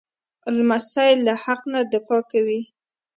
لمسی له حق نه دفاع کوي.